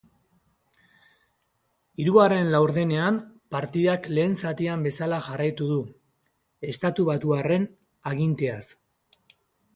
Hirugarren laurdenean, partidak lehen zatian bezala jarraitu du, estatubatuarren aginteaz.